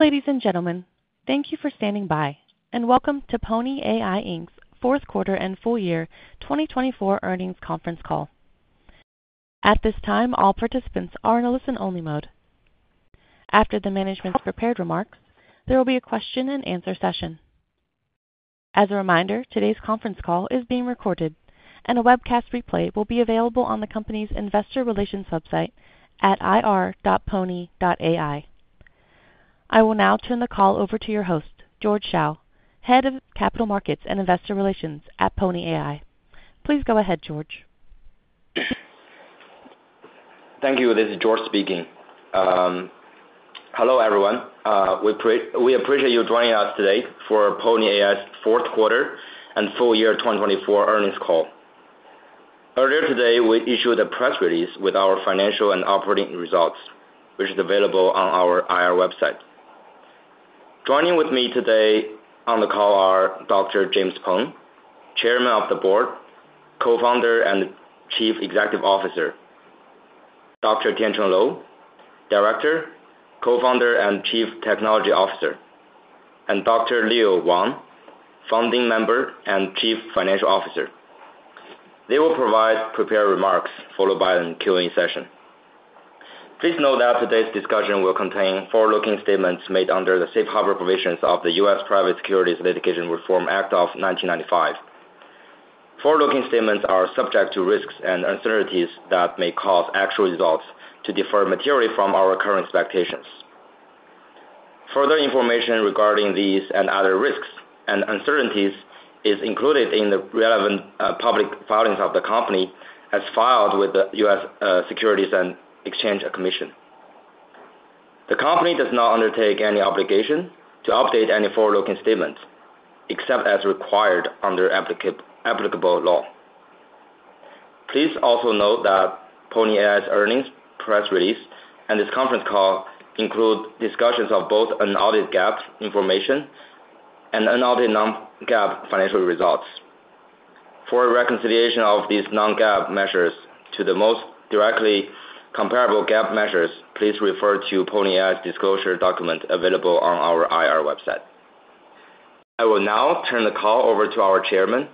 Ladies and gentlemen, thank you for standing by, and welcome to Pony AI's fourth quarter and Full Year 2024 Earnings Conference Call. At this time, all participants are in a listen-only mode. After the management's prepared remarks, there will be a question-and-answer session. As a reminder, today's conference call is being recorded, and a webcast replay will be available on the company's investor relations website at ir.pony.ai. I will now turn the call over to your host, George Shao, Head of Capital Markets and Investor Relations at Pony AI. Please go ahead, George. Thank you. This is George speaking. Hello, everyone. We appreciate you joining us today for Pony AI's fourth quarter and full year 2024 earnings call. Earlier today, we issued a press release with our financial and operating results, which is available on our IR website. Joining with me today on the call are Dr. James Peng, Chairman of the Board, Co-Founder and Chief Executive Officer; Dr. Tiancheng Lou, Director, Co-Founder and Chief Technology Officer; and Dr. Haojun Wang, Founding Member and Chief Financial Officer. They will provide prepared remarks followed by a Q&A session. Please note that today's discussion will contain forward-looking statements made under the Safe Harbor provisions of the U.S. Private Securities Litigation Reform Act of 1995. Forward-looking statements are subject to risks and uncertainties that may cause actual results to differ materially from our current expectations. Further information regarding these and other risks and uncertainties is included in the relevant public filings of the company as filed with the U.S. Securities and Exchange Commission. The company does not undertake any obligation to update any forward-looking statements except as required under applicable law. Please also note that Pony AI's earnings, press release, and this conference call include discussions of both unaudited GAAP information and unaudited non-GAAP financial results. For reconciliation of these non-GAAP measures to the most directly comparable GAAP measures, please refer to Pony AI's disclosure document available on our IR website. I will now turn the call over to our Chairman,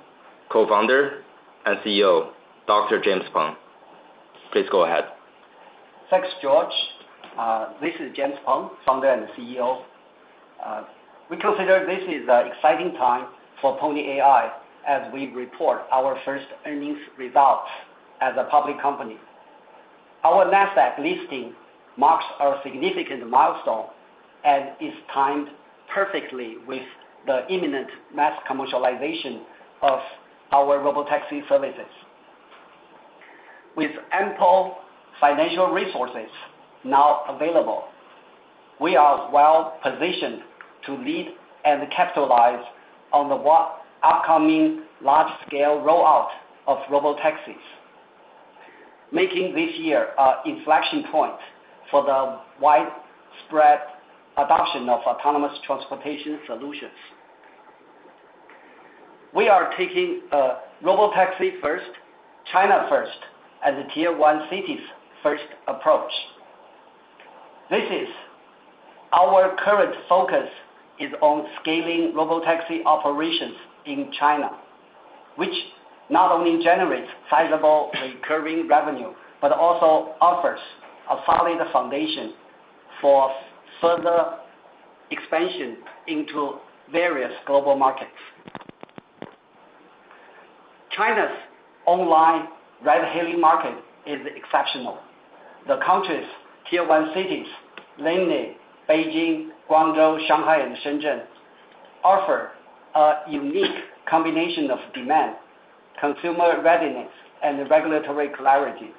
Co-Founder, and CEO, Dr. James Peng. Please go ahead. Thanks, George. This is James Peng, founder and CEO. We consider this is an exciting time for Pony AI as we report our first earnings results as a public company. Our Nasdaq listing marks a significant milestone and is timed perfectly with the imminent mass commercialization of our robotaxi services. With ample financial resources now available, we are well positioned to lead and capitalize on the upcoming large-scale rollout of robotaxis, making this year an inflection point for the widespread adoption of autonomous transportation solutions. We are taking a robotaxi-first, China-first, and tier-one cities-first approach. This is our current focus: scaling robotaxi operations in China, which not only generates sizable recurring revenue but also offers a solid foundation for further expansion into various global markets. China's online ride-hailing market is exceptional. The country's tier-one cities, namely Beijing, Guangzhou, Shanghai, and Shenzhen, offer a unique combination of demand, consumer readiness, and regulatory clarity,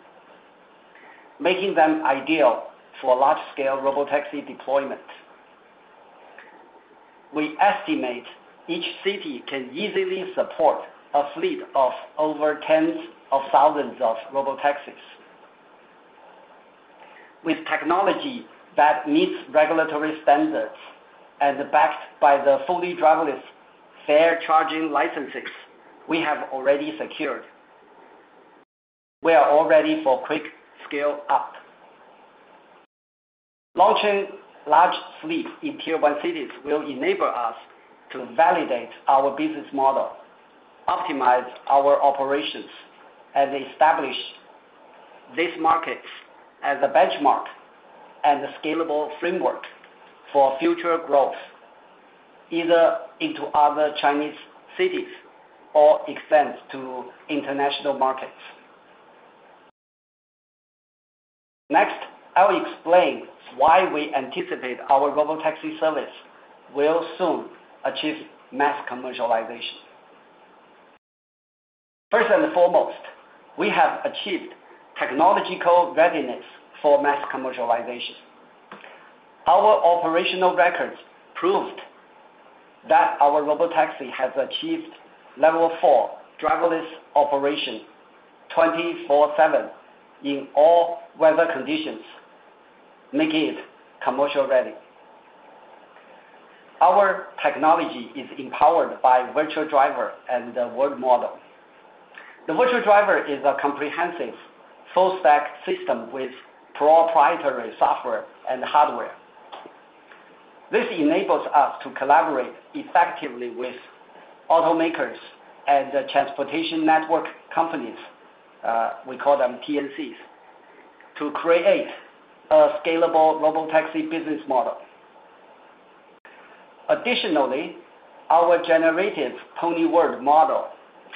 making them ideal for large-scale robotaxi deployment. We estimate each city can easily support a fleet of over tens of thousands of robotaxis. With technology that meets regulatory standards and backed by the fully driverless fare charging licenses we have already secured, we are all ready for quick scale-up. Launching large fleets in tier-one cities will enable us to validate our business model, optimize our operations, and establish these markets as a benchmark and a scalable framework for future growth, either into other Chinese cities or extend to international markets. Next, I'll explain why we anticipate our robotaxi service will soon achieve mass commercialization. First and foremost, we have achieved technological readiness for mass commercialization. Our operational records proved that our robotaxi has achieved level four driverless operation 24/7 in all weather conditions, making it commercial ready. Our technology is empowered by Virtual Driver the PonyWorld model. The Virtual Driver is a comprehensive full-stack system with proprietary software and hardware. This enables us to collaborate effectively with automakers and transportation network companies—we call them TNCs—to create a scalable robotaxi business model. Additionally, our PonyWorld model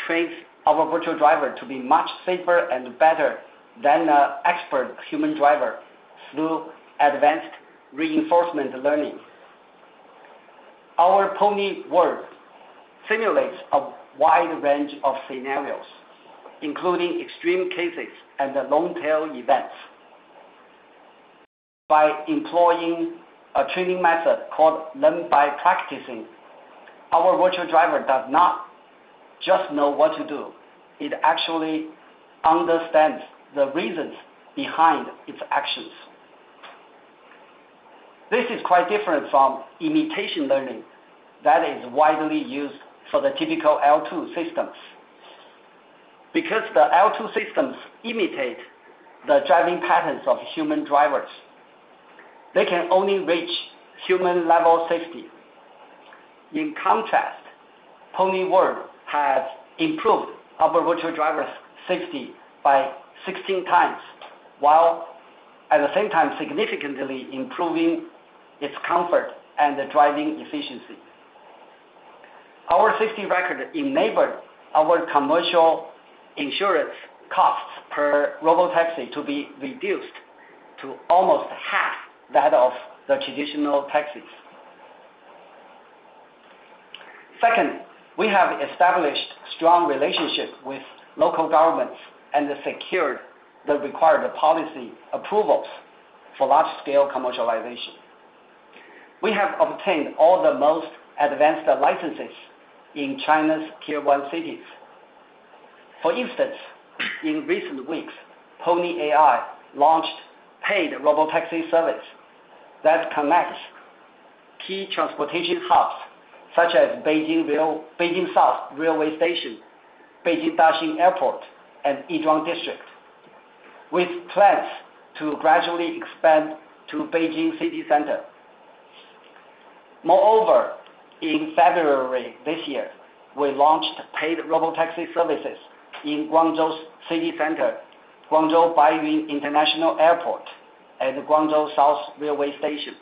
trains our Virtual Driver to be much safer and better than an expert human driver through advanced reinforcement learning. PonyWorld simulates a wide range of scenarios, including extreme cases and long-tail events. By employing a training method called learn-by-practicing, our Virtual Driver does not just know what to do; it actually understands the reasons behind its actions. This is quite different from imitation learning that is widely used for the typical L2 systems. Because the L2 systems imitate the driving patterns of human drivers, they can only reach human-level safety. PonyWorld has improved our Virtual Driver's safety by 16 times, while at the same time significantly improving its comfort and driving efficiency. Our safety record enabled our commercial insurance costs per robotaxi to be reduced to almost half that of the traditional taxis. Second, we have established strong relationships with local governments and secured the required policy approvals for large-scale commercialization. We have obtained all the most advanced licenses in China's tier-one cities. For instance, in recent weeks, Pony AI launched paid robotaxi services that connect key transportation hubs such as Beijing South Railway Station, Beijing Daxing Airport, and Yizhuang District, with plans to gradually expand to Beijing City Center. Moreover, in February this year, we launched paid robotaxi services in Guangzhou City Center, Guangzhou Baiyun International Airport, and Guangzhou South Railway Station.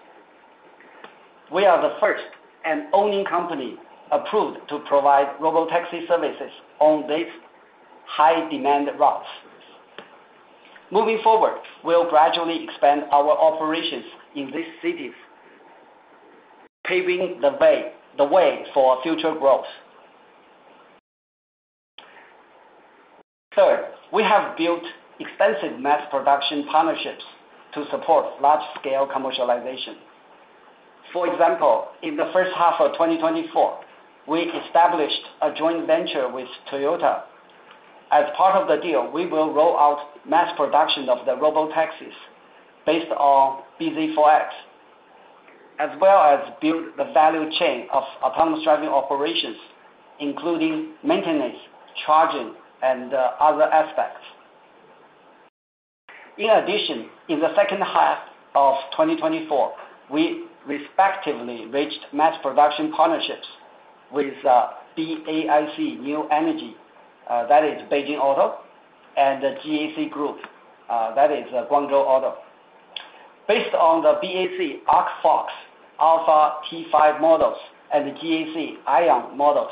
We are the first and only company approved to provide robotaxi services on these high-demand routes. Moving forward, we'll gradually expand our operations in these cities, paving the way for future growth. Third, we have built extensive mass production partnerships to support large-scale commercialization. For example, in the first half of 2024, we established a joint venture with Toyota. As part of the deal, we will roll out mass production of the robotaxis based on bZ4X, as well as build the value chain of autonomous driving operations, including maintenance, charging, and other aspects. In addition, in the second half of 2024, we respectively reached mass production partnerships with BAIC New Energy—that is Beijing Auto—and GAC Group—that is Guangzhou Auto. Based on the BAIC ARCFOX Alpha T5 models and the GAC Aion models,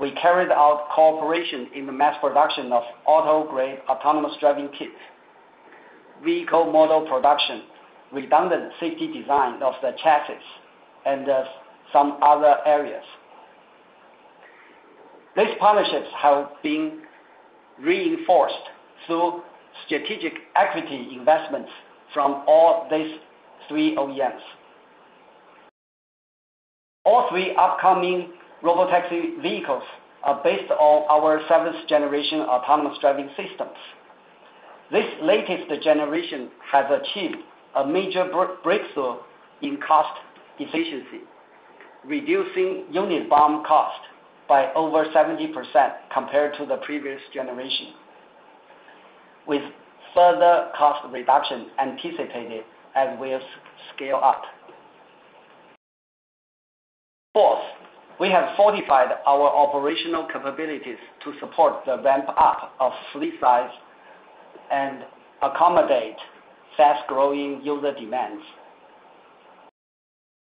we carried out cooperation in the mass production of auto-grade autonomous driving kits, vehicle model production, redundant safety design of the chassis, and some other areas. These partnerships have been reinforced through strategic equity investments from all these three OEMs. All three upcoming robotaxi vehicles are based on our seventh-generation autonomous driving systems. This latest generation has achieved a major breakthrough in cost efficiency, reducing unit BOM cost by over 70% compared to the previous generation, with further cost reduction anticipated as we scale up. Fourth, we have fortified our operational capabilities to support the ramp-up of fleet size and accommodate fast-growing user demands.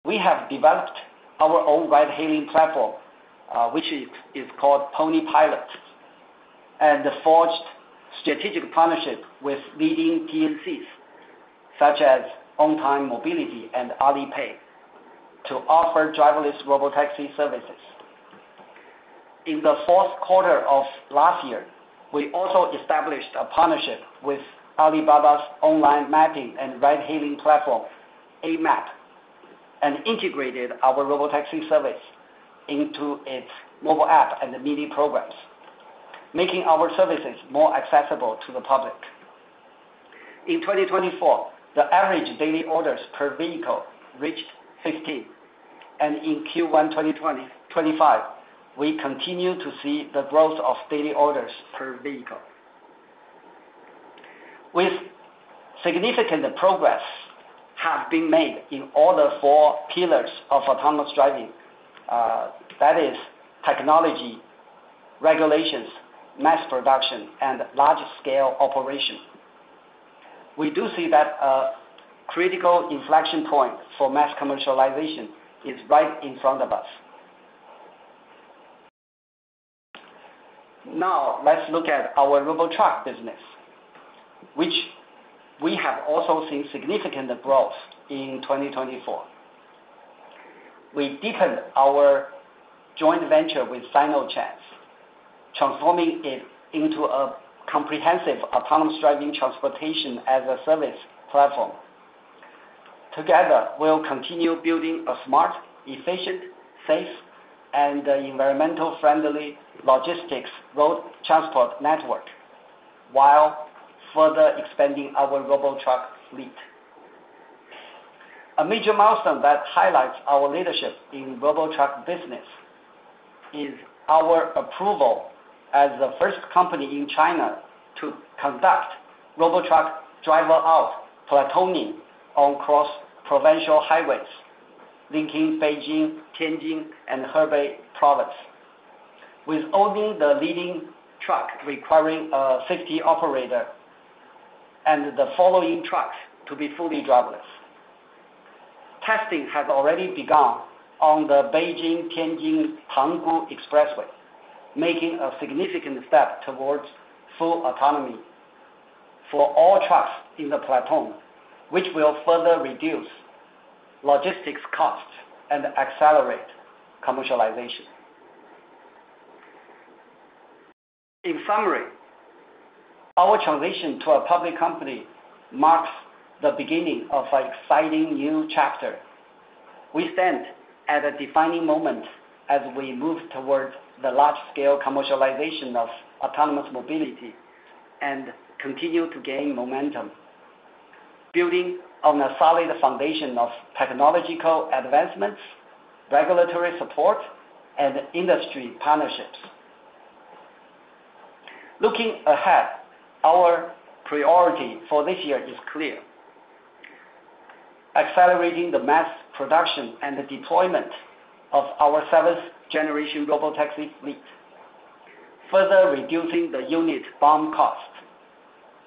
We have developed our own ride-hailing platform, which is called PonyPilot, and forged strategic partnerships with leading TNCs such as Ontime Mobility and Alipay to offer driverless robotaxi services. In the fourth quarter of last year, we also established a partnership with Alibaba's online mapping and ride-hailing platform, Amap, and integrated our robotaxi service into its mobile app and mini programs, making our services more accessible to the public. In 2024, the average daily orders per vehicle reached 15, and in Q1 2025, we continue to see the growth of daily orders per vehicle. With significant progress being made in all the four pillars of autonomous driving, that is technology, regulations, mass production, and large-scale operation, we do see that a critical inflection point for mass commercialization is right in front of us. Now, let's look at our robotruck business, which we have also seen significant growth in 2024. We deepened our joint venture with Sinotrans, transforming it into a comprehensive autonomous driving transportation-as-a-service platform. Together, we'll continue building a smart, efficient, safe, and environmentally friendly logistics road transport network while further expanding our robotruck fleet. A major milestone that highlights our leadership in robotruck business is our approval as the first company in China to conduct robotruck driver-out platooning on cross-provincial highways linking Beijing, Tianjin, and Hebei provinces, with only the leading truck requiring a safety operator and the following trucks to be fully driverless. Testing has already begun on the Beijing-Tianjin-Tanggu Expressway, making a significant step towards full autonomy for all trucks in the platoon, which will further reduce logistics costs and accelerate commercialization. In summary, our transition to a public company marks the beginning of an exciting new chapter. We stand at a defining moment as we move towards the large-scale commercialization of autonomous mobility and continue to gain momentum, building on a solid foundation of technological advancements, regulatory support, and industry partnerships. Looking ahead, our priority for this year is clear: accelerating the mass production and deployment of our seventh-generation robotaxi fleet, further reducing the unit BOM cost,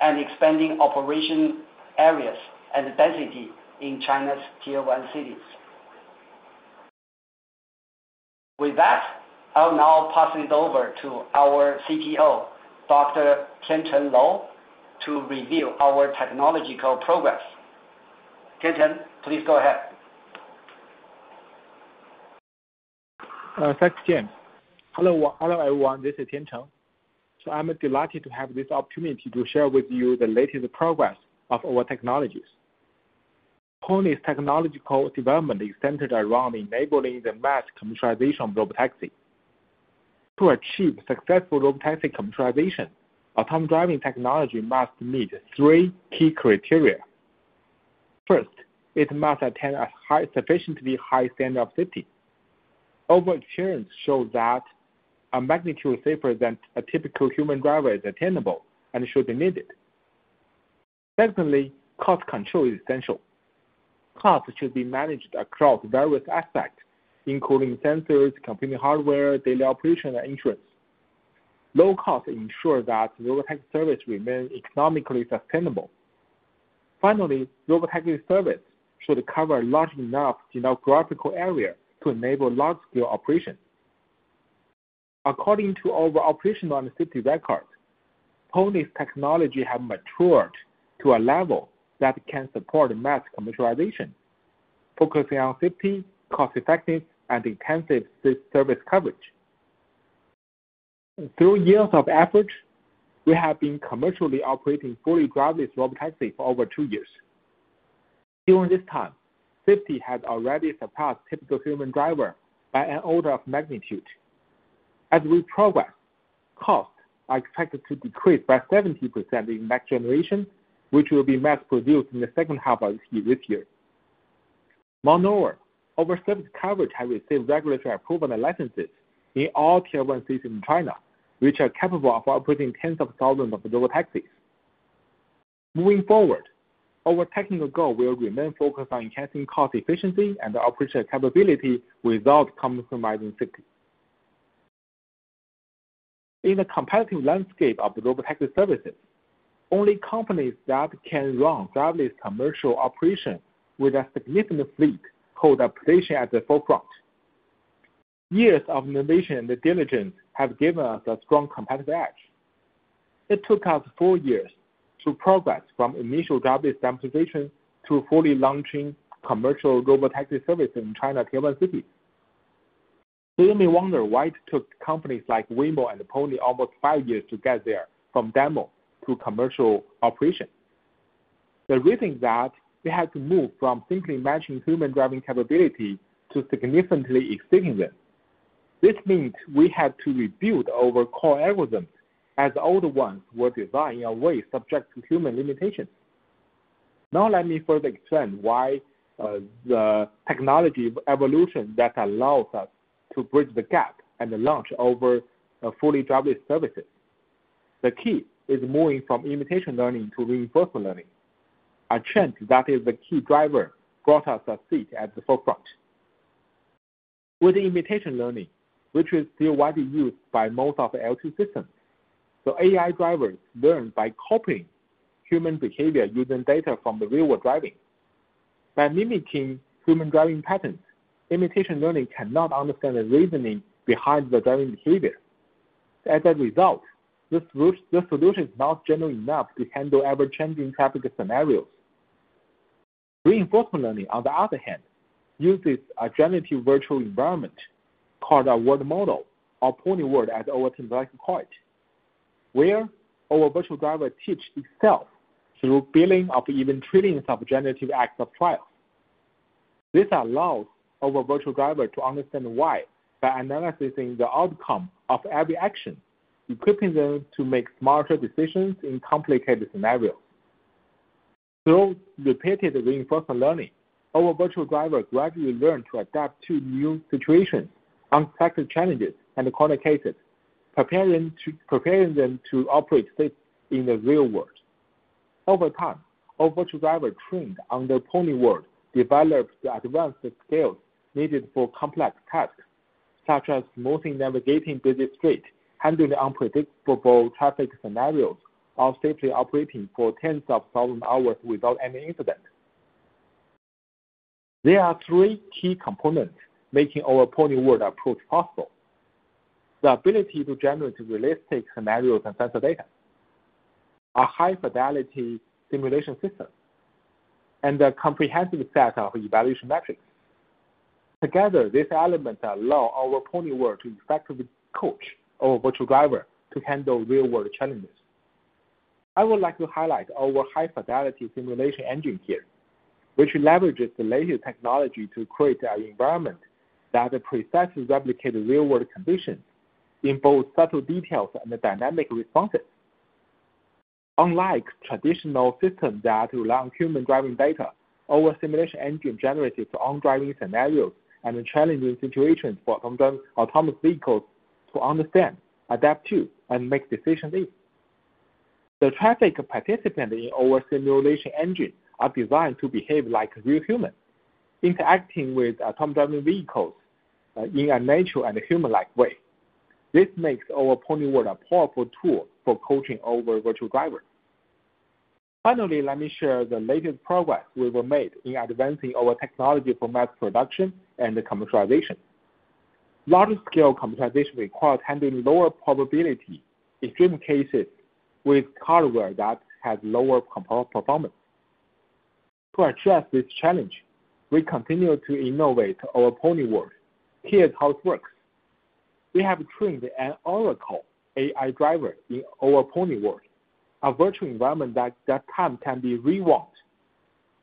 and expanding operation areas and density in China's tier-one cities. With that, I'll now pass it over to our CTO, Dr. Tiancheng Lou, to review our technological progress. Tiancheng, please go ahead. Thanks, Jun. Hello, everyone. This is Tiancheng. I am delighted to have this opportunity to share with you the latest progress of our technologies. Pony's technological development is centered around enabling the mass commercialization of robotaxi. To achieve successful robotaxi commercialization, autonomous driving technology must meet three key criteria. First, it must attain a sufficiently high standard of safety. Our experience shows that a magnitude safer than a typical human driver is attainable and should be needed. Secondly, cost control is essential. Costs should be managed across various aspects, including sensors, computing hardware, daily operation, and insurance. Low costs ensure that robotaxi service remains economically sustainable. Finally, robotaxi service should cover a large enough geographical area to enable large-scale operations. According to our operational and safety records, Pony's technology has matured to a level that can support mass commercialization, focusing on safety, cost-effectiveness, and intensive service coverage. Through years of effort, we have been commercially operating fully driverless robotaxi for over two years. During this time, safety has already surpassed typical human driver by an order of magnitude. As we progress, costs are expected to decrease by 70% in next generation, which will be mass-produced in the second half of this year. Moreover, our service coverage has received regulatory approval and licenses in all tier-one cities in China, which are capable of operating tens of thousands of robotaxis. Moving forward, our technical goal will remain focused on enhancing cost efficiency and operational capability without compromising safety. In the competitive landscape of robotaxi services, only companies that can run driverless commercial operations with a significant fleet hold a position at the forefront. Years of innovation and diligence have given us a strong competitive edge. It took us four years to progress from initial driverless demonstration to fully launching commercial robotaxi service in China's tier-one cities. You may wonder why it took companies like Waymo and Pony almost five years to get there from demo to commercial operation. The reason is that we had to move from simply matching human driving capability to significantly exceeding them. This means we had to rebuild our core algorithms as older ones were designed in a way subject to human limitations. Now let me further explain why the technology evolution that allows us to bridge the gap and launch our fully driverless services. The key is moving from imitation learning to reinforcement learning. A change that is the key driver brought us a seat at the forefront. With imitation learning, which is still widely used by most of the L2 systems, the AI drivers learn by copying human behavior using data from real-world driving. By mimicking human driving patterns, imitation learning cannot understand the reasoning behind the driving behavior. As a result, the solution is not general enough to handle ever-changing traffic scenarios. Reinforcement learning, on the other hand, uses a generative virtual environment called a world model PonyWorld as our team likes to call it, where our Virtual Driver teaches itself through billions of even trillions of generative acts of trials. This allows our Virtual Driver to understand why by analyzing the outcome of every action, equipping them to make smarter decisions in complicated scenarios. Through repeated reinforcement learning, our Virtual Driver gradually learns to adapt to new situations, unexpected challenges, and corner cases, preparing them to operate safely in the real world. Over time, our Virtual Driver trained on PonyWorld develops the advanced skills needed for complex tasks, such as smoothly navigating busy streets, handling unpredictable traffic scenarios, or safely operating for tens of thousands of hours without any incident. There are three key components making PonyWorld approach possible: the ability to generate realistic scenarios and sensor data, a high-fidelity simulation system, and a comprehensive set of evaluation metrics. Together, these elements allow PonyWorld to effectively coach our Virtual Driver to handle real-world challenges. I would like to highlight our high-fidelity simulation engine here, which leverages the latest technology to create an environment that precisely replicates real-world conditions in both subtle details and dynamic responses. Unlike traditional systems that rely on human driving data, our simulation engine generates its own driving scenarios and challenging situations for autonomous vehicles to understand, adapt to, and make decisions in. The traffic participants in our simulation engine are designed to behave like real humans, interacting with autonomous driving vehicles in a natural and human-like way. This makes PonyWorld a powerful tool for coaching our Virtual Driver. Finally, let me share the latest progress we've made in advancing our technology for mass production and commercialization. Large-scale commercialization requires handling lower probability in extreme cases with hardware that has lower performance. To address this challenge, we continue to innovate PonyWorld. here's how it works. We have trained an Oracle AI Driver in PonyWorld, a virtual environment that can be rewound.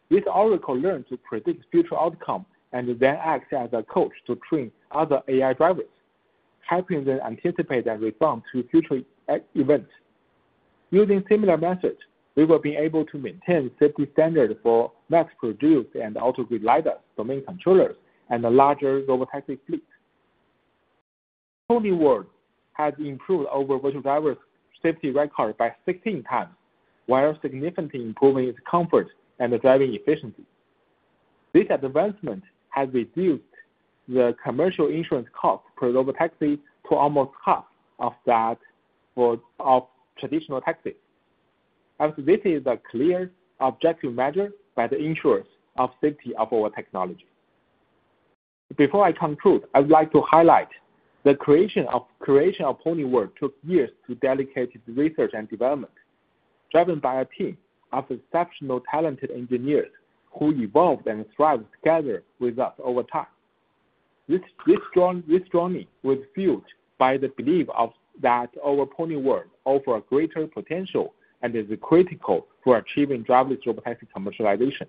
This Oracle learns to predict future outcomes and then acts as a coach to train other AI drivers, helping them anticipate and respond to future events. Using similar methods, we will be able to maintain safety standards for mass-produced and auto-grid LiDARs, domain controllers, and larger robotaxi PonyWorld has improved our Virtual Driver's safety record by 16 times, while significantly improving its comfort and driving efficiency. This advancement has reduced the commercial insurance cost per robotaxi to almost half of that of traditional taxis, as this is a clear objective measure by the insurers of safety of our technology. Before I conclude, I would like to highlight the creation PonyWorld took years to dedicate its research and development, driven by a team of exceptionally talented engineers who evolved and thrived together with us over time. This journey was fueled by the belief that PonyWorld offers a greater potential and is critical for achieving driverless robotaxi commercialization.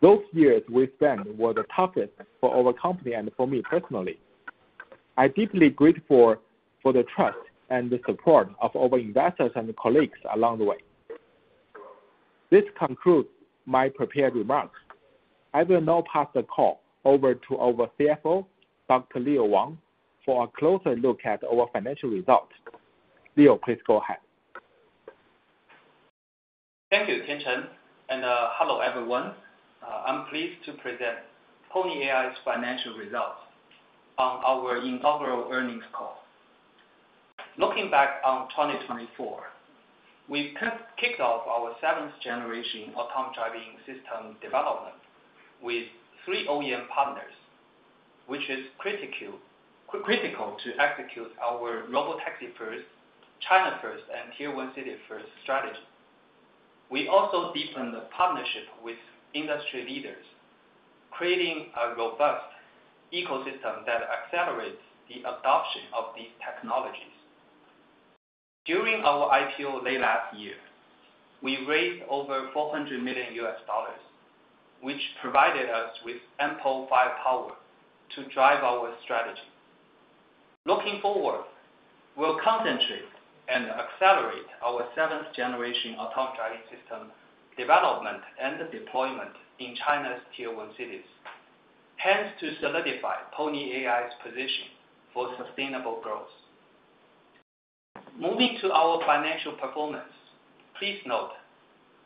Those years we spent were the toughest for our company and for me personally. I'm deeply grateful for the trust and the support of our investors and colleagues along the way. This concludes my prepared remarks. I will now pass the call over to our CFO, Dr. Haojun Wang, for a closer look at our financial results. Leo, please go ahead. Thank you, Tiancheng. Hello, everyone. I'm pleased to present Pony AI's financial results on our inaugural earnings call. Looking back on 2024, we kicked off our seventh-generation autonomous driving system development with three OEM partners, which is critical to execute our robotaxi-first, China-first, and tier-one cities-first strategy. We also deepened the partnership with industry leaders, creating a robust ecosystem that accelerates the adoption of these technologies. During our IPO late last year, we raised over $400 million, which provided us with ample firepower to drive our strategy. Looking forward, we'll concentrate and accelerate our seventh-generation autonomous driving system development and deployment in China's tier-one cities, hence to solidify Pony AI's position for sustainable growth. Moving to our financial performance, please note,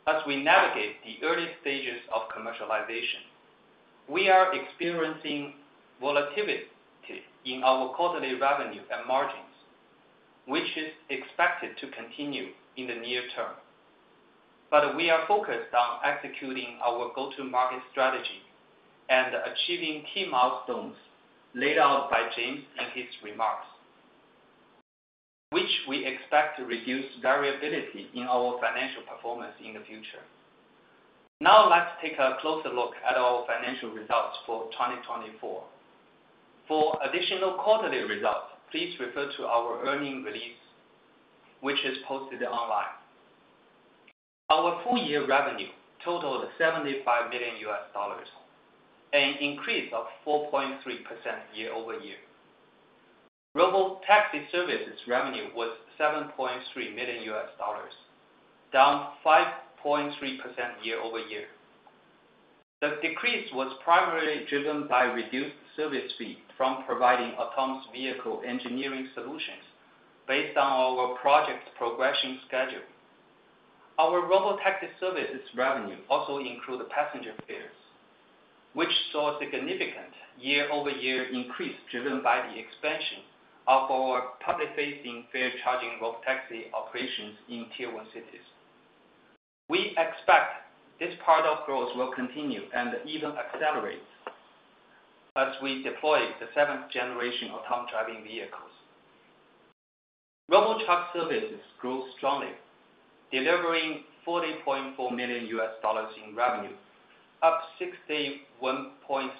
as we navigate the early stages of commercialization, we are experiencing volatility in our quarterly revenue and margins, which is expected to continue in the near term. We are focused on executing our go-to-market strategy and achieving key milestones laid out by James and his remarks, which we expect to reduce variability in our financial performance in the future. Now let's take a closer look at our financial results for 2024. For additional quarterly results, please refer to our earnings release, which is posted online. Our full-year revenue totaled $75 million, an increase of 4.3% year-over-year. Robotaxi services revenue was $7.3 million, down 5.3% year-over-year. The decrease was primarily driven by reduced service fees from providing autonomous vehicle engineering solutions based on our project's progression schedule. Our robotaxi services revenue also included passenger fares, which saw a significant year-over-year increase driven by the expansion of our public-facing fare charging robotaxi operations in tier-one cities. We expect this part of growth will continue and even accelerate as we deploy the seventh-generation autonomous driving vehicles. robotruck services grew strongly, delivering $40.4 million in revenue, up 61.3%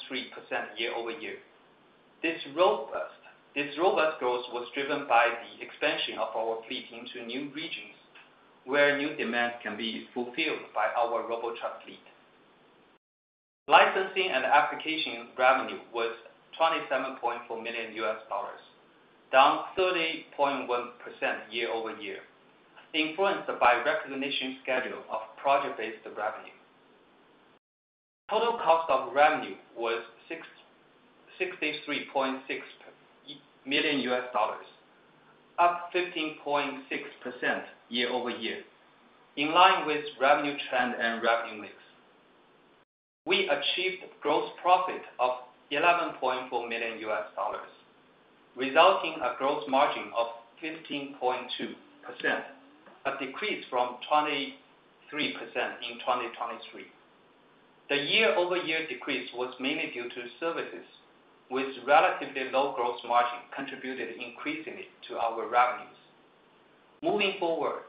year-over-year. This robust growth was driven by the expansion of our fleet into new regions where new demands can be fulfilled by our robotruck fleet. Licensing and application revenue was $27.4 million, down 30.1% year-over-year, influenced by recognition schedule of project-based revenue. Total cost of revenue was $63.6 million, up 15.6% year-over-year, in line with revenue trend and revenue mix. We achieved gross profit of $11.4 million, resulting in a gross margin of 15.2%, a decrease from 23% in 2023. The year-over-year decrease was mainly due to services with relatively low gross margin contributed increasingly to our revenues. Moving forward,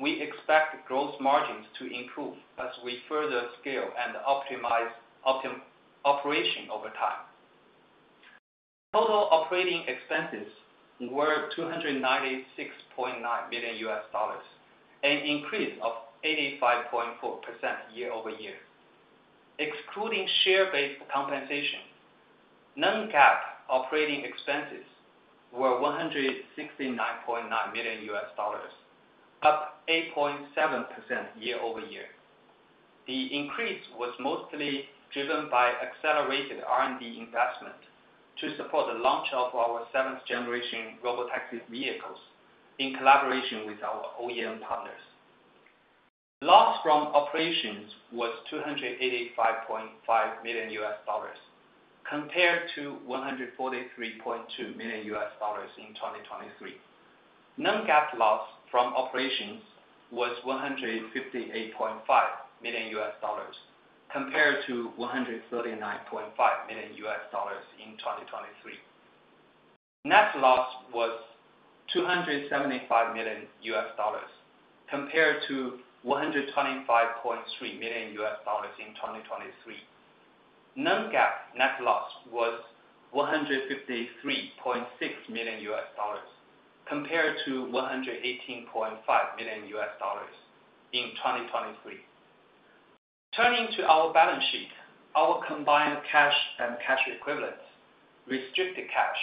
we expect gross margins to improve as we further scale and optimize operation over time. Total operating expenses were $296.9 million, an increase of 85.4% year-over-year. Excluding share-based compensation, non-GAAP operating expenses were $169.9 million, up 8.7% year-over-year. The increase was mostly driven by accelerated R&D investment to support the launch of our seventh-generation robotaxi vehicles in collaboration with our OEM partners. Loss from operations was $285.5 million, compared to $143.2 million in 2023. Non-GAAP loss from operations was $158.5 million, compared to $139.5 million in 2023. Net loss was $275 million, compared to $125.3 million in 2023. Non-GAAP net loss was $153.6 million, compared to $118.5 million in 2023. Turning to our balance sheet, our combined cash and cash equivalents, restricted cash,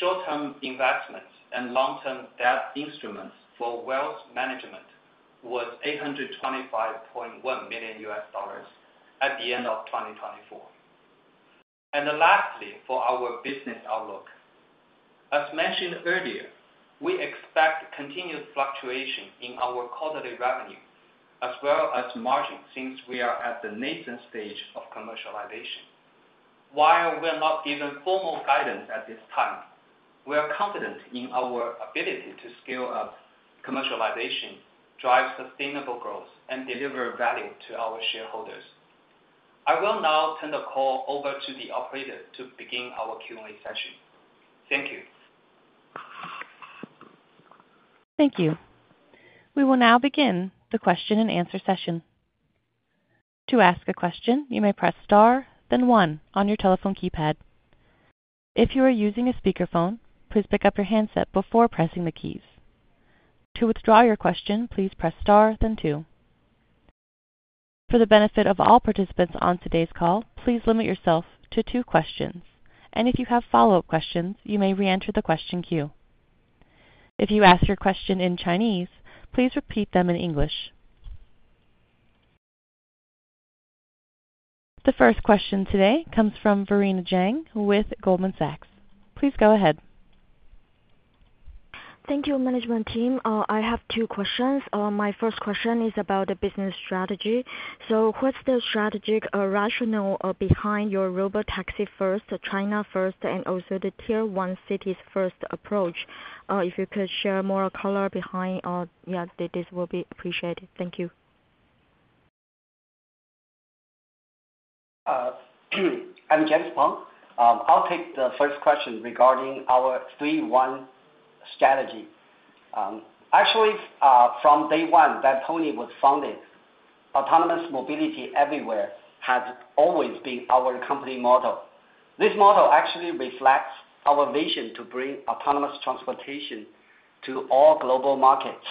short-term investments, and long-term debt instruments for wealth management was $825.1 million at the end of 2024. Lastly, for our business outlook, as mentioned earlier, we expect continued fluctuation in our quarterly revenue as well as margins since we are at the nascent stage of commercialization. While we're not giving formal guidance at this time, we are confident in our ability to scale up commercialization, drive sustainable growth, and deliver value to our shareholders. I will now turn the call over to the operator to begin our Q&A session. Thank you. Thank you. We will now begin the question-and-answer session. To ask a question, you may press star, then one on your telephone keypad. If you are using a speakerphone, please pick up your handset before pressing the keys. To withdraw your question, please press star, then two. For the benefit of all participants on today's call, please limit yourself to two questions. If you have follow-up questions, you may re-enter the question queue. If you ask your question in Chinese, please repeat them in English. The first question today comes from Veronica Jiang with Goldman Sachs. Please go ahead. Thank you, management team. I have two questions. My first question is about the business strategy. What's the strategic rationale behind your robotaxi-first, China-first, and also the tier-one cities-first approach? If you could share more color behind, yeah, this will be appreciated. Thank you. I'm James Peng. I'll take the first question regarding our three-one strategy. Actually, from day one that Pony was founded, autonomous mobility everywhere has always been our company model. This model actually reflects our vision to bring autonomous transportation to all global markets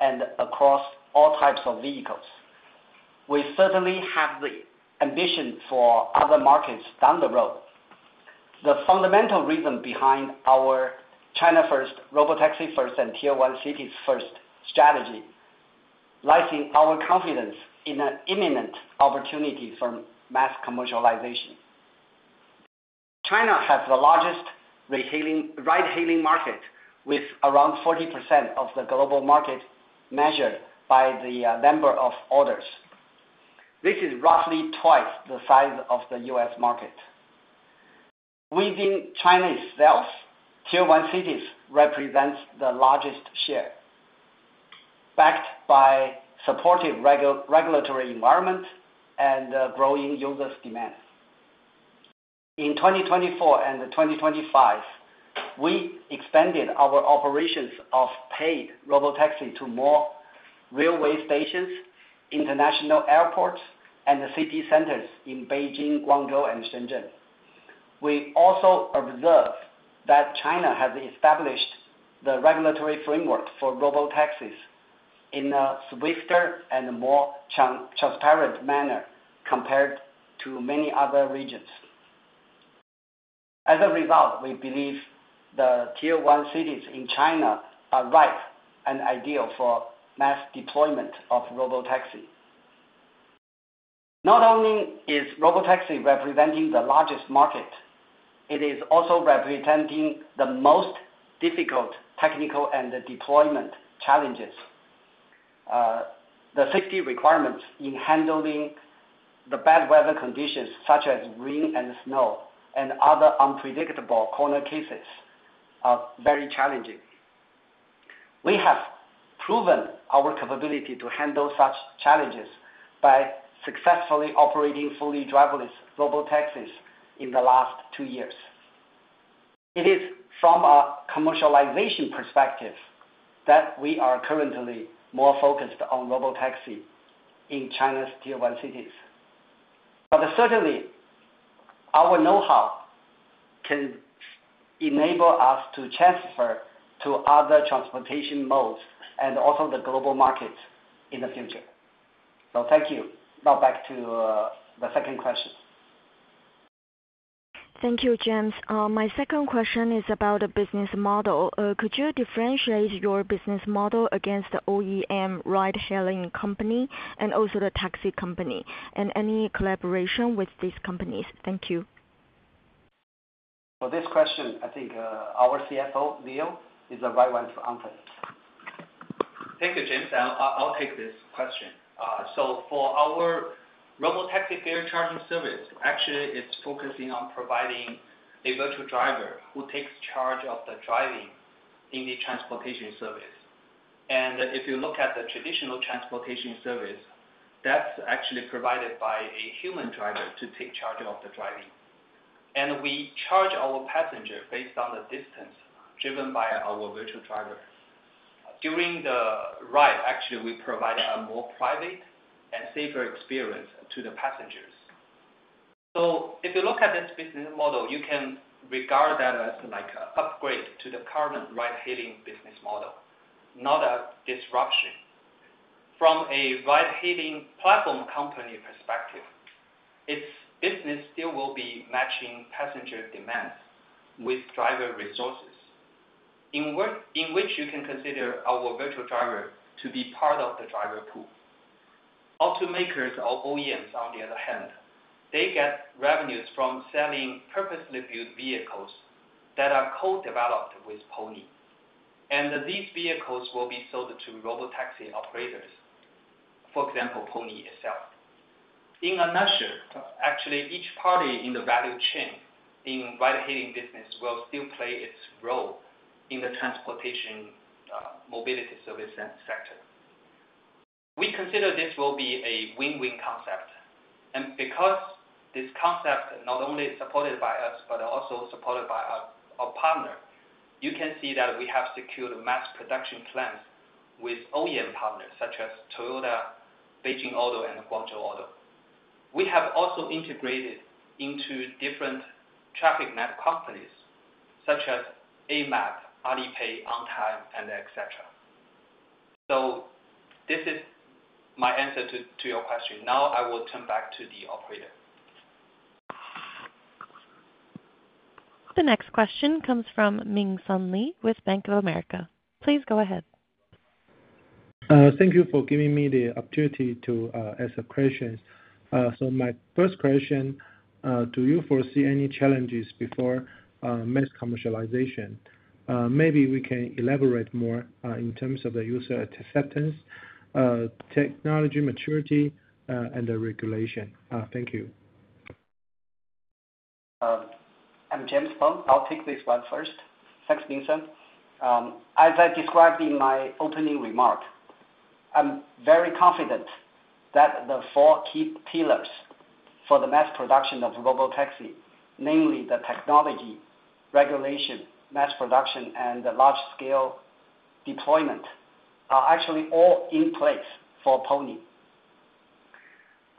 and across all types of vehicles. We certainly have the ambition for other markets down the road. The fundamental reason behind our China-first, robotaxi-first, and tier-one cities-first strategy lies in our confidence in an imminent opportunity for mass commercialization. China has the largest ride-hailing market, with around 40% of the global market measured by the number of orders. This is roughly twice the size of the U.S. market. Within China itself, tier-one cities represent the largest share, backed by a supportive regulatory environment and growing user demand. In 2024 and 2025, we expanded our operations of paid robotaxi to more railway stations, international airports, and city centers in Beijing, Guangzhou, and Shenzhen. We also observed that China has established the regulatory framework for robotaxis in a swifter and more transparent manner compared to many other regions. As a result, we believe the tier-one cities in China are ripe and ideal for mass deployment of robotaxi. Not only is robotaxi representing the largest market, it is also representing the most difficult technical and deployment challenges, the safety requirements in handling the bad weather conditions such as rain and snow and other unpredictable corner cases are very challenging. We have proven our capability to handle such challenges by successfully operating fully driverless robotaxis in the last two years. It is from a commercialization perspective that we are currently more focused on robotaxi in China's tier-one cities. Certainly, our know-how can enable us to transfer to other transportation modes and also the global markets in the future. Thank you. Now back to the second question. Thank you, James. My second question is about the business model. Could you differentiate your business model against the OEM ride-hailing company and also the taxi company and any collaboration with these companies? Thank you. For this question, I think our CFO, Haojun is the right one to answer. Thank you, James. I'll take this question. For our robotaxi fare charging service, actually, it's focusing on providing a virtual driver who takes charge of the driving in the transportation service. If you look at the traditional transportation service, that's actually provided by a human driver to take charge of the driving. We charge our passenger based on the distance driven by our virtual driver. During the ride, actually, we provide a more private and safer experience to the passengers. If you look at this business model, you can regard that as an upgrade to the current ride-hailing business model, not a disruption. From a ride-hailing platform company perspective, its business still will be matching passenger demands with driver resources, in which you can consider our virtual driver to be part of the driver pool. Automakers or OEMs, on the other hand, they get revenues from selling purposely built vehicles that are co-developed with Pony. And these vehicles will be sold to robotaxi operators, for example, Pony itself. In a nutshell, actually, each party in the value chain in ride-hailing business will still play its role in the transportation mobility service sector. We consider this will be a win-win concept. Because this concept is not only supported by us, but also supported by our partner, you can see that we have secured mass production plans with OEM partners such as Toyota, BAIC New Energy, and GAC Group. We have also integrated into different transportation network companies such as Amap, Alipay, Ontime Mobility, and etc. This is my answer to your question. Now I will turn back to the operator. The next question comes from Ming Hsun Lee with Bank of America. Please go ahead. Thank you for giving me the opportunity to ask questions. My first question, do you foresee any challenges before mass commercialization? Maybe we can elaborate more in terms of the user acceptance, technology maturity, and the regulation. Thank you. I'm James Peng. I'll take this one first. Thanks, Ming Hsun. As I described in my opening remark, I'm very confident that the four key pillars for the mass production of robotaxi, namely the technology, regulation, mass production, and large-scale deployment, are actually all in place for Pony.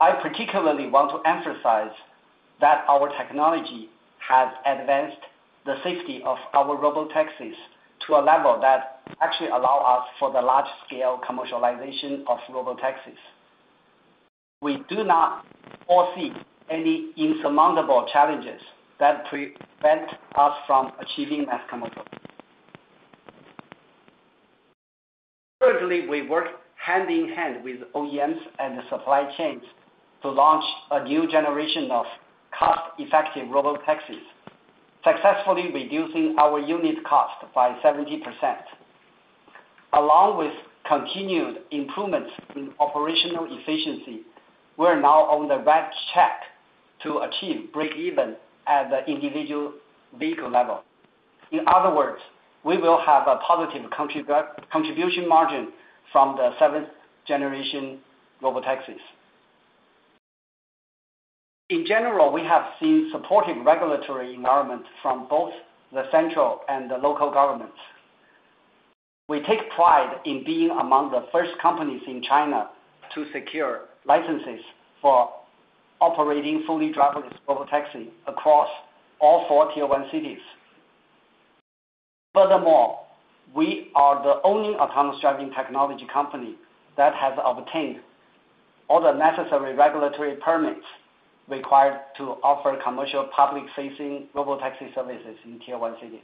I particularly want to emphasize that our technology has advanced the safety of our robotaxis to a level that actually allows us for the large-scale commercialization of robotaxis. We do not foresee any insurmountable challenges that prevent us from achieving mass commercialization. Currently, we work hand in hand with OEMs and supply chains to launch a new generation of cost-effective robotaxis, successfully reducing our unit cost by 70%. Along with continued improvements in operational efficiency, we're now on the right track to achieve break-even at the individual vehicle level. In other words, we will have a positive contribution margin from the seventh-generation robotaxis. In general, we have seen supportive regulatory environment from both the central and the local governments. We take pride in being among the first companies in China to secure licenses for operating fully driverless robotaxi across all four tier-one cities. Furthermore, we are the only autonomous driving technology company that has obtained all the necessary regulatory permits required to offer commercial public-facing robotaxi services in tier-one cities.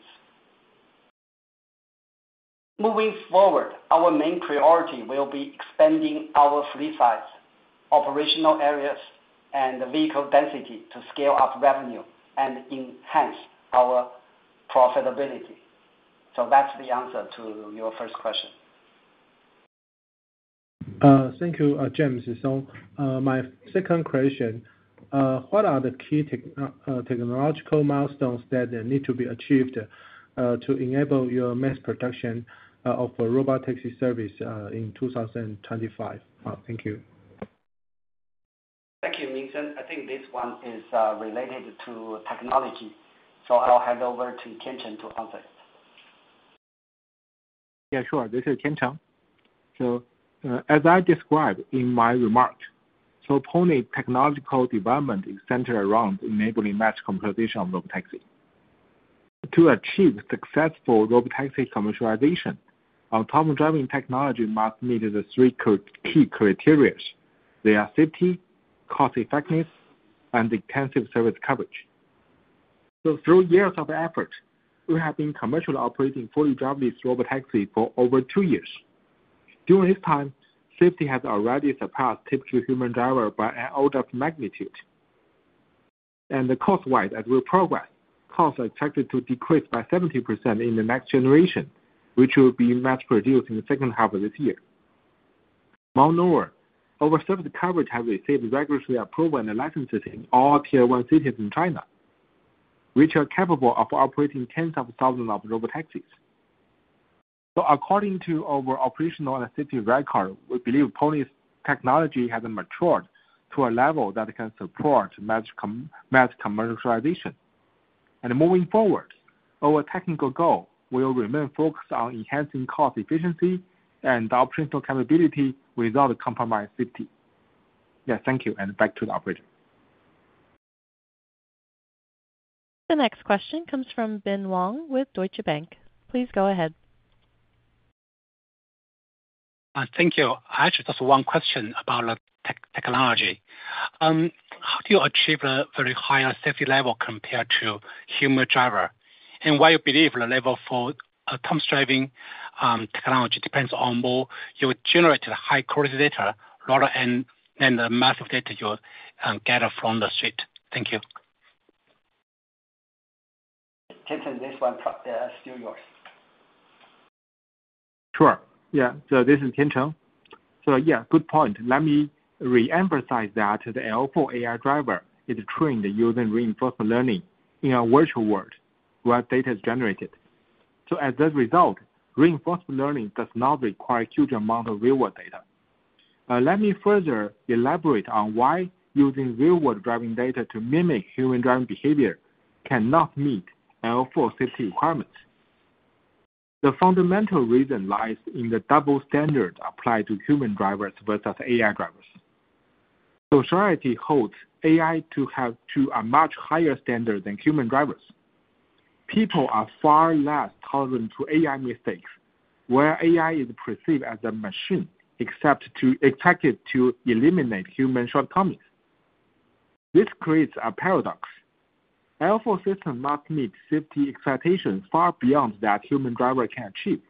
Moving forward, our main priority will be expanding our fleet size, operational areas, and vehicle density to scale up revenue and enhance our profitability. That is the answer to your first question. Thank you, James Peng. My second question, what are the key technological milestones that need to be achieved to enable your mass production of robotaxi service in 2025? Thank you. Thank you, Ming Hsun. I think this one is related to technology. I'll hand over to Tiancheng to answer. Yeah, sure. This is Tiancheng. As I described in my remark, Pony technological development is centered around enabling mass commercialization of robotaxi. To achieve successful robotaxi commercialization, autonomous driving technology must meet the three key criteria. They are safety, cost-effectiveness, and extensive service coverage. Through years of effort, we have been commercially operating fully driverless robotaxi for over two years. During this time, safety has already surpassed typical human driver by an order of magnitude. Cost-wise, as we progress, costs are expected to decrease by 70% in the next generation, which will be mass-produced in the second half of this year. Moreover, our service coverage has received regulatory approval and licenses in all tier-one cities in China, which are capable of operating tens of thousands of robotaxis. According to our operational and safety record, we believe Pony's technology has matured to a level that can support mass commercialization. Moving forward, our technical goal will remain focused on enhancing cost efficiency and operational capability without compromising safety. Yes, thank you. Back to the operator. The next question comes from Ben Wang with Deutsche Bank. Please go ahead. Thank you. Actually, just one question about the technology. How do you achieve a very high safety level compared to human driver? Why do you believe the level for autonomous driving technology depends on more your generated high-quality data rather than the massive data you get from the street? Thank you. Tiancheng, this one is still yours. Sure. Yeah. This is Tiancheng. Yeah, good point. Let me re-emphasize that the L4 AI driver is trained using reinforcement learning in a virtual world where data is generated. As a result, reinforcement learning does not require a huge amount of real-world data. Let me further elaborate on why using real-world driving data to mimic human driving behavior cannot meet L4 safety requirements. The fundamental reason lies in the double standard applied to human drivers versus AI drivers. Society holds AI to have a much higher standard than human drivers. People are far less tolerant to AI mistakes where AI is perceived as a machine expected to eliminate human shortcomings. This creates a paradox. L4 systems must meet safety expectations far beyond what human drivers can achieve.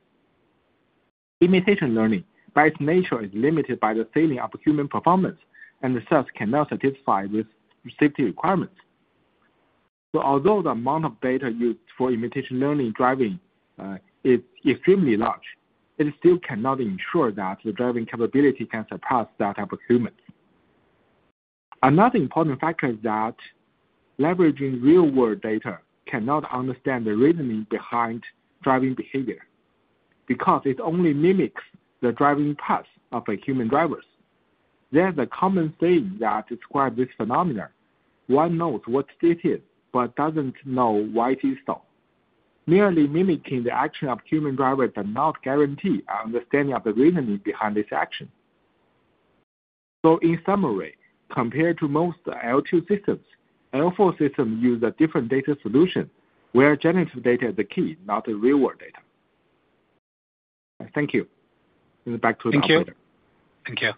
Imitation learning, by its nature, is limited by the failing of human performance and thus cannot satisfy safety requirements. Although the amount of data used for imitation learning driving is extremely large, it still cannot ensure that the driving capability can surpass that of humans. Another important factor is that leveraging real-world data cannot understand the reasoning behind driving behavior because it only mimics the driving paths of human drivers. There is a common saying that describes this phenomenon. One knows what it is, but does not know why it is so. Merely mimicking the action of human drivers does not guarantee an understanding of the reasoning behind this action. In summary, compared to most L2 systems, L4 systems use a different data solution where generative data is the key, not real-world data. Thank you. Back to the operator. Thank you. Thank you.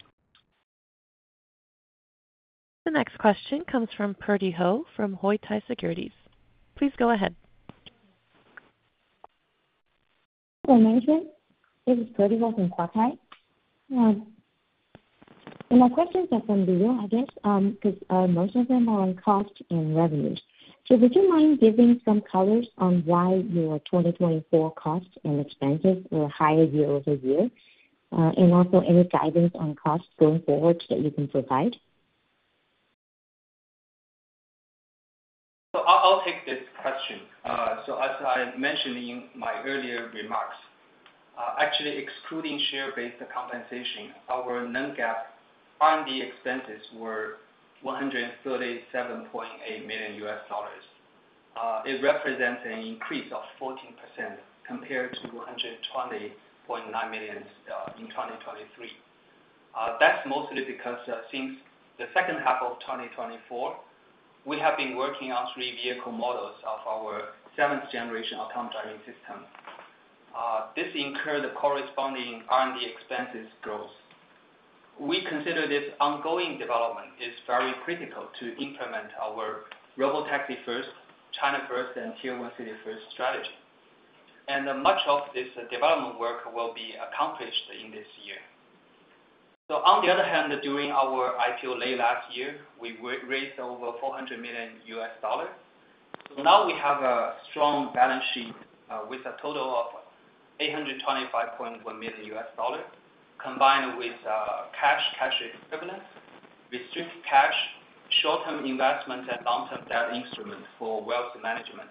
The next question comes from Purdy Ho from Huatai Securities. Please go ahead. Hello, Management. This is Purdy Ho from Huatai Securities. My questions are for Haojun, I guess, because most of them are on cost and revenues. Would you mind giving some color on why your 2024 cost and expenses were higher year-over-year? Also, any guidance on costs going forward that you can provide? I'll take this question. As I mentioned in my earlier remarks, actually excluding share-based compensation, our non-GAAP R&D expenses were $137.8 million. It represents an increase of 14% compared to $120.9 million in 2023. That's mostly because since the second half of 2024, we have been working on three vehicle models of our seventh-generation autonomous driving system. This incurred the corresponding R&D expenses growth. We consider this ongoing development is very critical to implement our robotaxi-first, China-first, and tier-one city-first strategy. Much of this development work will be accomplished in this year. On the other hand, during our IPO late last year, we raised over $400 million. Now we have a strong balance sheet with a total of $825.1 million combined with cash, cash equivalents, restricted cash, short-term investments, and long-term debt instruments for wealth management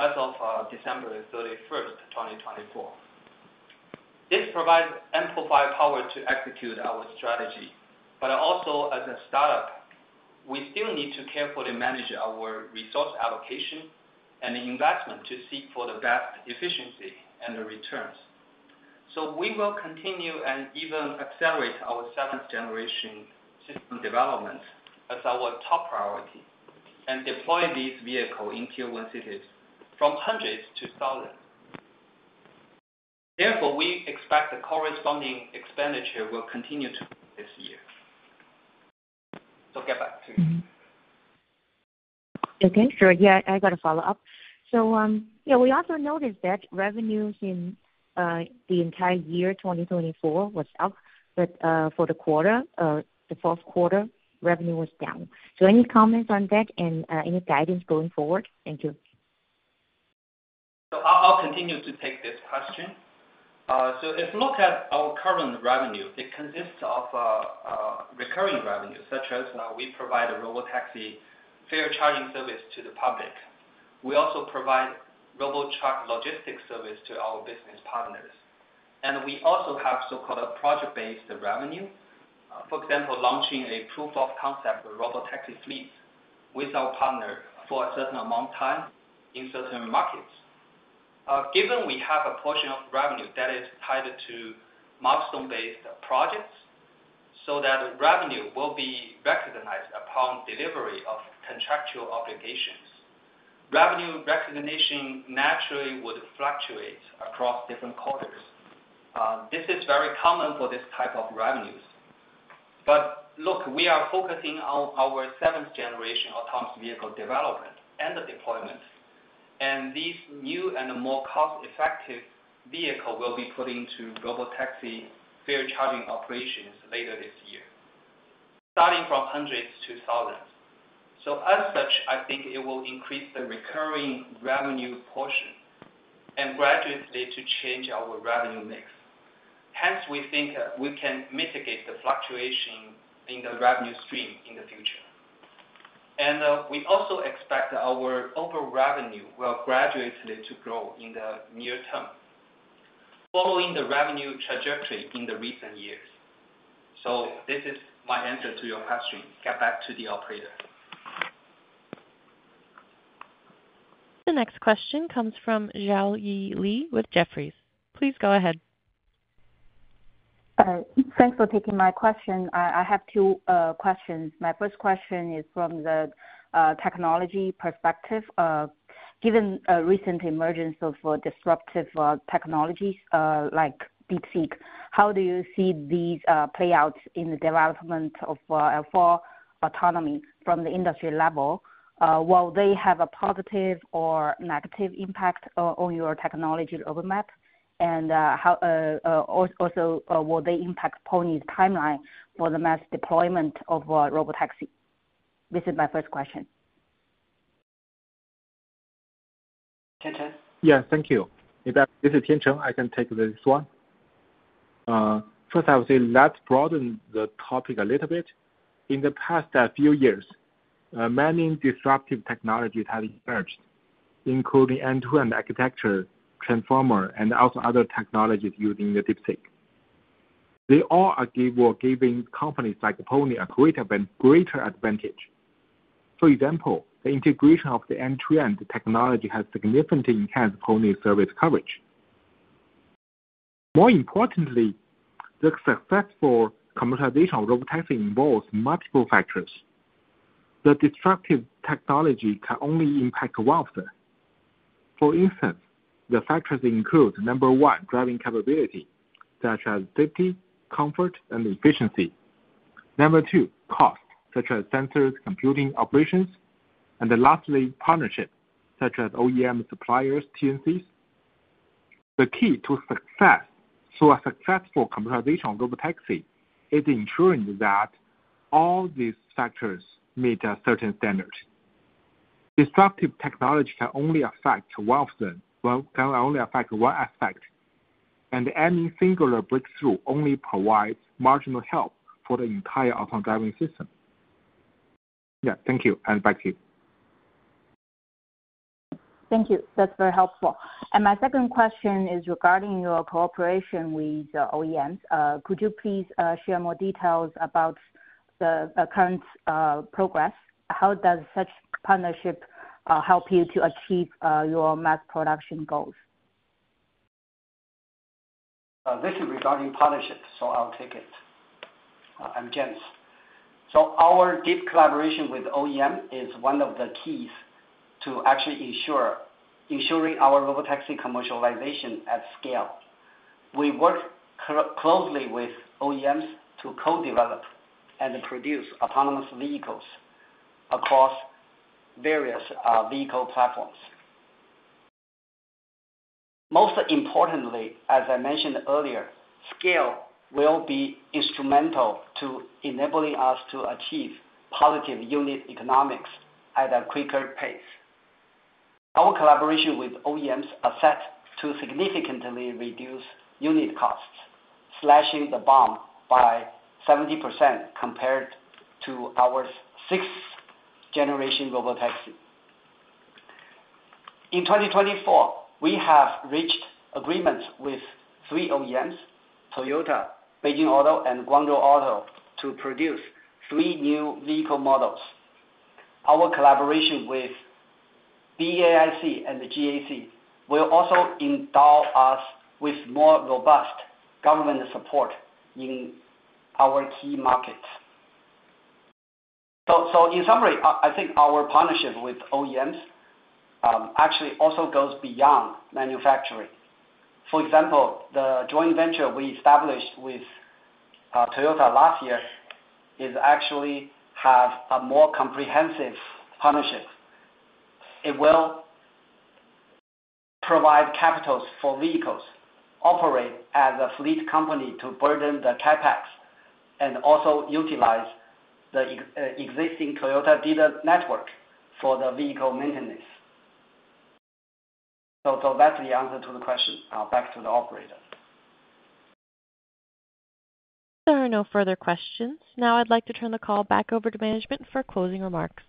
as of December 31, 2024. This provides amplified power to execute our strategy. Also, as a startup, we still need to carefully manage our resource allocation and investment to seek for the best efficiency and the returns. We will continue and even accelerate our seventh-generation system development as our top priority and deploy these vehicles in tier-one cities from hundreds to thousands. Therefore, we expect the corresponding expenditure will continue to this year. Get back to you. Okay. Sure. Yeah, I got to follow up. Yeah, we also noticed that revenues in the entire year 2024 was up, but for the quarter, the fourth quarter, revenue was down. Any comments on that and any guidance going forward? Thank you. I'll continue to take this question. If we look at our current revenue, it consists of recurring revenue such as we provide a robotaxi fare charging service to the public. We also provide robotruck logistics service to our business partners. We also have so-called project-based revenue, for example, launching a proof of concept robotaxi fleet with our partner for a certain amount of time in certain markets. Given we have a portion of revenue that is tied to milestone-based projects so that revenue will be recognized upon delivery of contractual obligations, revenue recognition naturally would fluctuate across different quarters. This is very common for this type of revenues. We are focusing on our seventh-generation autonomous vehicle development and the deployment. These new and more cost-effective vehicles will be put into robotaxi fare charging operations later this year, starting from hundreds to thousands. As such, I think it will increase the recurring revenue portion and gradually change our revenue mix. Hence, we think we can mitigate the fluctuation in the revenue stream in the future. We also expect that our overall revenue will gradually grow in the near term following the revenue trajectory in the recent years. This is my answer to your question. Get back to the operator. The next question comes from Zhaoyi Li with Jefferies. Please go ahead. Thanks for taking my question. I have two questions. My first question is from the technology perspective. Given the recent emergence of disruptive technologies like DeepSeek, how do you see these play out in the development of L4 autonomy from the industry level? Will they have a positive or negative impact on your technology roadmap? Also, will they impact Pony's timeline for the mass deployment of robotaxi? This is my first question. Tiancheng? Yes, thank you. If this is Tiancheng, I can take this one. First, I would say let's broaden the topic a little bit. In the past few years, many disruptive technologies have emerged, including end-to-end architecture, transformer, and also other technologies using the DeepSeek. They all were giving companies like Pony a greater advantage. For example, the integration of the end-to-end technology has significantly enhanced Pony's service coverage. More importantly, the successful commercialization of robotaxi involves multiple factors. The disruptive technology can only impact one of them. For instance, the factors include, number one, driving capability such as safety, comfort, and efficiency. Number two, costs such as sensors, computing, operations. And lastly, partnerships such as OEM suppliers, TNCs. The key to success for a successful commercialization of robotaxi is ensuring that all these factors meet certain standards. Disruptive technology can only affect one of them, can only affect one aspect. Any singular breakthrough only provides marginal help for the entire autonomous driving system. Yeah, thank you. Back to you. Thank you. That's very helpful. My second question is regarding your cooperation with OEMs. Could you please share more details about the current progress? How does such partnership help you to achieve your mass production goals? This is regarding partnership, so I'll take it. I'm James. Our deep collaboration with OEM is one of the keys to actually ensuring our robotaxi commercialization at scale. We work closely with OEMs to co-develop and produce autonomous vehicles across various vehicle platforms. Most importantly, as I mentioned earlier, scale will be instrumental to enabling us to achieve positive unit economics at a quicker pace. Our collaboration with OEMs is set to significantly reduce unit costs, slashing the BOM by 70% compared to our sixth-generation robotaxi. In 2024, we have reached agreements with three OEMs: Toyota, BAIC, and GAC to produce three new vehicle models. Our collaboration with BAIC and GAC will also endow us with more robust government support in our key markets. In summary, I think our partnership with OEMs actually also goes beyond manufacturing. For example, the joint venture we established with Toyota last year actually has a more comprehensive partnership. It will provide capital for vehicles, operate as a fleet company to burden the CapEx, and also utilize the existing Toyota dealer network for the vehicle maintenance. That is the answer to the question. Back to the operator. There are no further questions. Now I'd like to turn the call back over to management for closing remarks.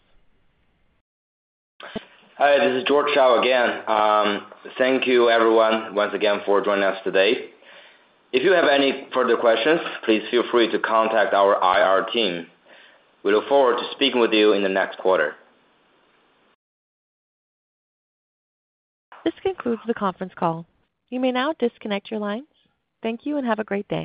Hi, this is George Shao again. Thank you, everyone, once again for joining us today. If you have any further questions, please feel free to contact our IR team. We look forward to speaking with you in the next quarter. This concludes the conference call. You may now disconnect your lines. Thank you and have a great day.